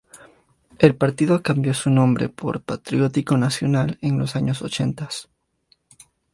El partido cambió su nombre por Patriótico Nacional en los años ochentas.